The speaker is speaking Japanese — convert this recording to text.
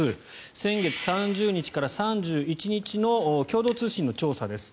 先月３０日から３１日の共同通信の調査です。